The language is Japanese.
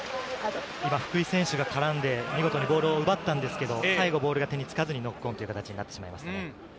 今、福井選手が絡んで見事にボールを奪ったんですけれども、最後ボールが手につかずにノックオンでしたね。